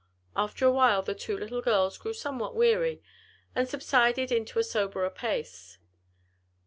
After a while the two little girls grew somewhat weary, and subsided into a soberer pace.